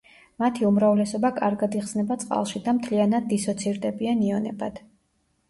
მათი უმრავლესობა კარგად იხსნება წყალში და მთლიანად დისოცირდებიან იონებად.